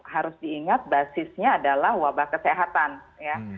harus diingat basisnya adalah wabah kesehatan ya